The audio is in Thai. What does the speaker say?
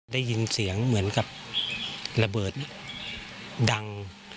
ได้ยินเสียงเหมือนกับระเบิดดัง